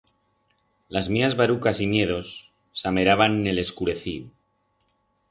Las mías barucas y miedos s'ameraban n'el escureciu.